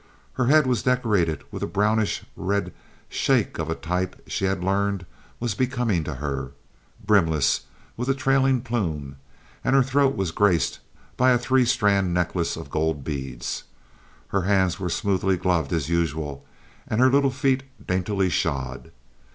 Her head was decorated with a brownish red shake of a type she had learned was becoming to her, brimless and with a trailing plume, and her throat was graced by a three strand necklace of gold beads. Her hands were smoothly gloved as usual, and her little feet daintily shod.